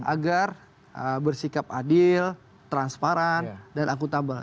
agar bersikap adil transparan dan akutabel